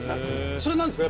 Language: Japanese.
それは何でですか？